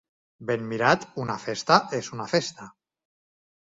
Ben mirat, una festa és una festa.